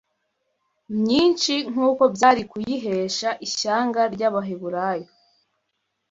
myinshi nk’uko byari kuyihesha ishyanga ry’Abaheburayo